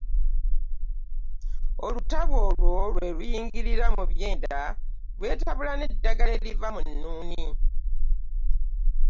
Olutabu olwo bwe luyingira mu byenda, lwetabula n’eddagala eriva mu nnuuni.